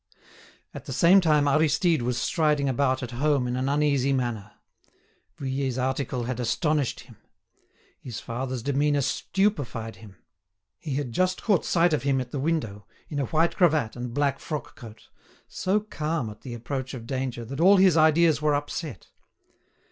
At the same time Aristide was striding about at home in an uneasy manner. Vuillet's article had astonished him. His father's demeanour stupefied him. He had just caught sight of him at the window, in a white cravat and black frock coat, so calm at the approach of danger that all his ideas were upset.